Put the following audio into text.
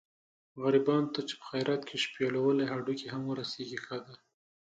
غریبانو ته چې په خیرات کې شپېلولي هډوکي هم ورسېږي ښه دي.